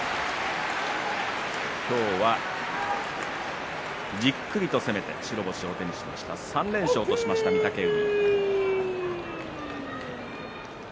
今日はじっくりと攻めて白星を手にしました３連勝です、御嶽海。